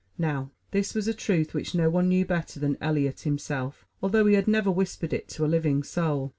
Now, this was a truth which no one knew better than Eliot himself, although he had never whispered it to a living soul.